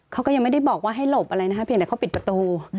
เขาก็ยังไม่ได้บอกว่าให้หลบอะไรนะคะเพียงแต่เขาปิดประตู